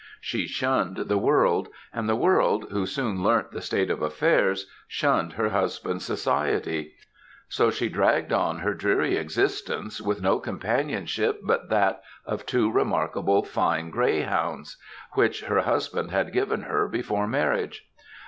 She shunned the world; and the world, who soon learnt the state of affairs, shunned her husband's society; so she dragged on her dreary existence with no companionship but that of two remarkable fine greyhounds, which her husband had given her before marriage.